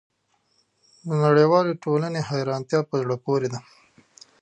د نړیوالې ټولنې حیرانتیا په زړه پورې ده.